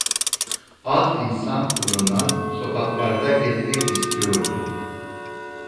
Az insan bulunan sokaklarda gezmek istiyordu.